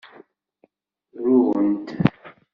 Runt.